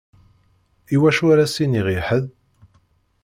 Iwacu ara s-iniɣ i ḥedd?